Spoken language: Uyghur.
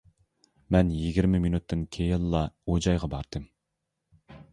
مەن يىگىرمە مىنۇتتىن كېيىنلا ئۇ جايغا باردىم.